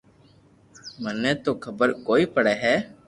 مني تو خبر ڪوئي پڙي ھي